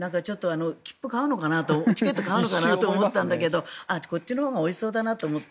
切符を買うのかなとチケットを買うのかなと思ったんですけどこっちのほうがおいしそうだなと思って。